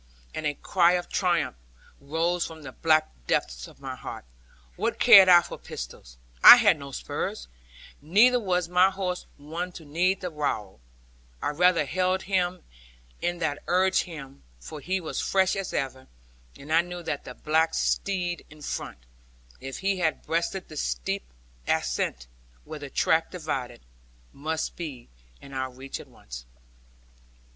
And a cry of triumph rose from the black depths of my heart. What cared I for pistols? I had no spurs, neither was my horse one to need the rowel; I rather held him in than urged him, for he was fresh as ever; and I knew that the black steed in front, if he breasted the steep ascent, where the track divided, must be in our reach at once.